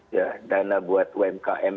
ya dana buat umkm